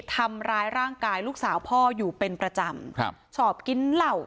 ทำร้ายร่างกายลูกสาวพ่ออยู่เป็นประจำครับชอบกินเหล้า